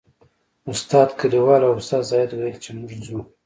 استاد کلیوال او استاد زاهد ویل چې موږ ځو.